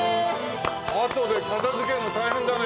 あとで片付けるの大変だね。